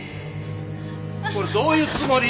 これどういうつもり？